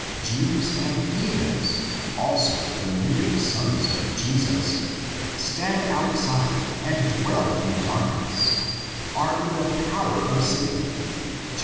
Jews and heathens, also the mere '"'sons of Jesus," stand outside and dwell in darkness, are ''in the power of Satan" (xxvi.